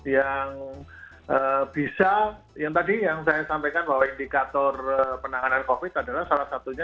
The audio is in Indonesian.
yang bisa yang tadi yang saya sampaikan bahwa indikator penanganan covid adalah salah satunya